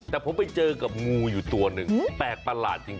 แต่ผมไปเจอกับงูอยู่ตัวหนึ่งแปลกประหลาดจริง